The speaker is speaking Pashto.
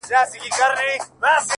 • فېشن د هر نوي دور جامه ده ,